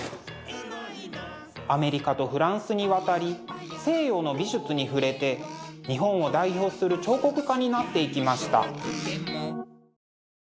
アメリカとフランスに渡り西洋の美術に触れて日本を代表する彫刻家になっていきました。